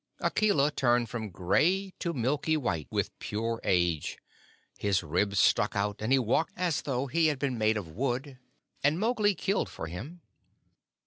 Akela turned from gray to milky white with pure age; his ribs stuck out, and he walked as though he had been made of wood, and Mowgli killed for him.